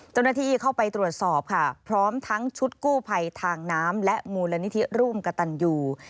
เจ้าหน้าที่เข้าไปตรวจสอบค่ะพร้อมทั้งชุดกู้ภัยทางน้ำและมูลนิธิร่วมกระตันยู